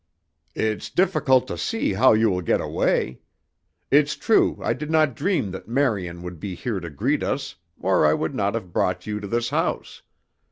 "It's difficult to see how you will get away. It's true I did not dream that Marion would be here to greet us or I would not have brought you to this house.